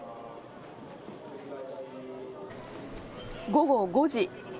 午後５時。